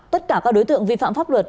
tất cả các đối tượng vi phạm pháp luật